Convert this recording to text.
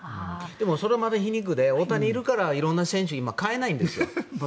でもそれもまた皮肉で大谷がいるからいろんな選手をかえないんですよ。